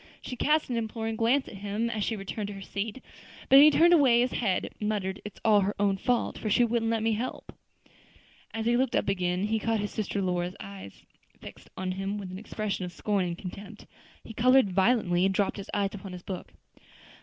She cast an imploring glance at him, as she returned to her seat; but he turned away his head, muttering, "It's all her own fault, for she wouldn't let me help her." As he looked up again, he caught his sister Lora's eyes fixed on him with an expression of scorn and contempt. He colored violently, and dropped his eyes upon his book.